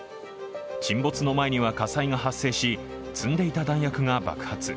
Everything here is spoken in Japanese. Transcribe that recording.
沈没の前には火災が発生し積んでいた弾薬が爆発。